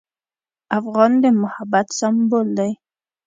افغان د محبت سمبول دی.